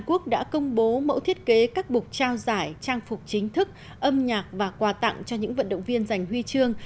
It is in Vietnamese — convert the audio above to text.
tổ quốc đã công bố mẫu thiết kế các bục trao giải trang phục chính thức âm nhạc và quà tặng cho những vận động viên giành huy chương